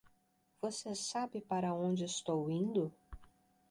Você sabe para onde estou indo?